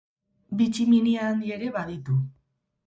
Bi tximinia handi ere baditu.